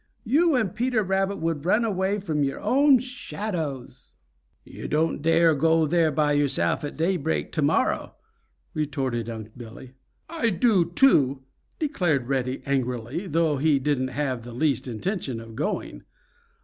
You and Peter Rabbit would run away from your own shadows." "You don't dare go there yourself at daybreak to morrow!" retorted Unc' Billy. "I do too!" declared Reddy angrily, though he didn't have the least intention of going.